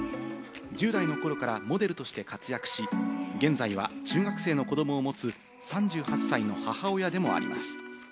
１０代の頃からモデルとして活躍し、現在は中学生の子どもを持つ３８歳の母親でもあります。